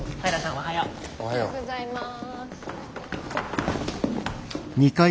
おはようございます。